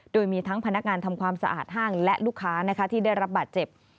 โดยมีทั้งพนักงานทำความสะอาดห้างและลูกค้าที่ได้รับบาดเจ็บ